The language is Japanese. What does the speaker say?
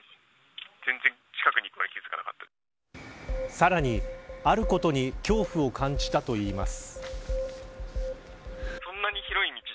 さらに、あることに恐怖を感じたといいます。